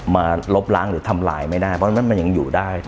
มาลบล้างหรือทำลายไม่ได้เพราะฉะนั้นมันยังอยู่ได้